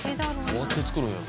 どうやって作るんやろ？